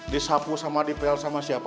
disapu sama detail sama siapa